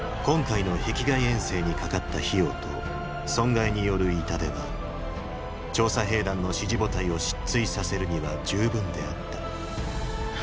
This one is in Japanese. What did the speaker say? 今回の壁外遠征にかかった費用と損害による痛手は調査兵団の支持母体を失墜させるには十分であった。